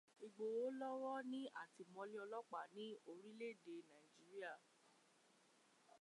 Ìgbòho lọ́wọ́ ní àtìmọ́lé ọlọ́pàá ní Orílẹ́-èdè Nàíjíríà.